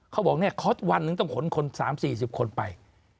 เขาบอกวันนึงต้องขนคน๓๐๔๐คนไป